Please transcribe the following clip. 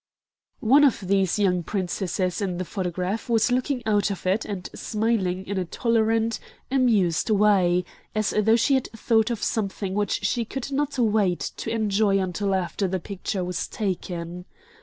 One of the young princesses in the photograph was looking out of it and smiling in a tolerant, amused way, as though she had thought of something which she could not wait to enjoy until after the picture was taken.